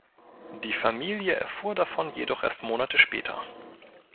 Die Familie erfuhr davon jedoch erst Monate später.